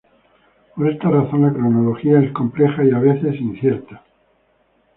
Por esta razón, la cronología es compleja y a veces incierta.